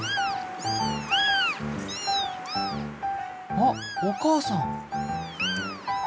あっお母さん。